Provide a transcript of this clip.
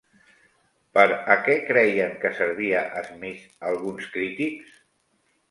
Per a què creien que servia Smith alguns crítics?